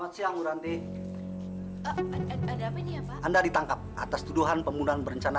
sampai jumpa di video selanjutnya